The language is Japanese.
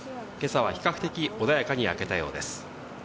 けさは比較的、穏やかに明けたようです。